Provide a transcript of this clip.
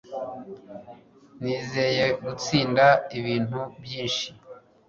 Nizeye gutsinda ibintu byinshi